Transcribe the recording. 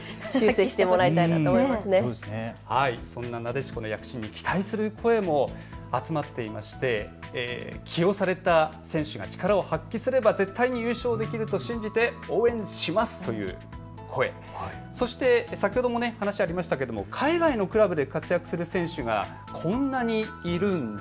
そんな、なでしこの躍進に期待する声も集まっていまして起用された選手が力を発揮すれば絶対に優勝できると信じて応援しますという声、そして先ほども話がありましたが海外のクラブで活躍する選手がこんなにいるんだ。